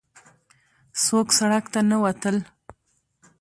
څوک سړک ته نه وتل.